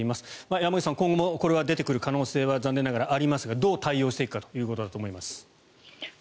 山口さん、今後もこれは出てくる可能性は残念ながらありますがどう対応していくかということだと思います。